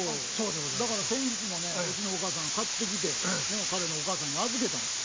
だから先日もねうちのお母さんが買ってきて彼のお母さんに預けたんですよ。